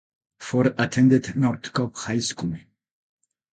Ford attended North Cobb High School.